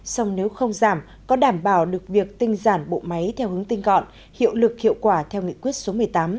song nếu không giảm có đảm bảo được việc tinh giản bộ máy theo hướng tinh gọn hiệu lực hiệu quả theo nghị quyết số một mươi tám